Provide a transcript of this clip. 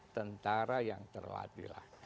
tentara yang terlatihlah